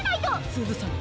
すずさん！